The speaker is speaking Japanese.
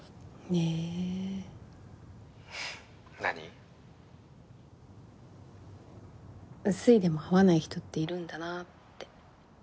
粋でも合わない人っているんだなって。